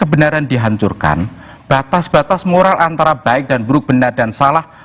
kebenaran dihancurkan batas batas moral antara baik dan buruk benar dan salah